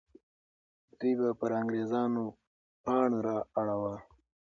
دوی به پر انګریزانو پاڼ را اړوه.